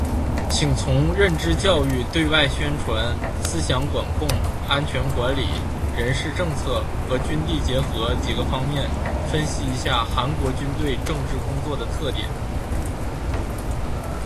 请从认知教育、对外宣传、思想管控、安全管理、人事政策和军地结合几个方面分析一下韩国军队政治工作的特点。